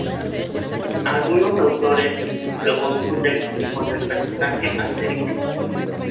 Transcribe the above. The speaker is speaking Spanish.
Algunos autores lo confunden con el personaje anterior.